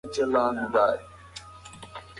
ایماني پیغام ژوندي اغېز لري.